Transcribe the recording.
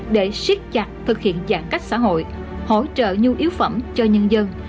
để siết chặt thực hiện giãn cách xã hội hỗ trợ nhu yếu phẩm cho nhân dân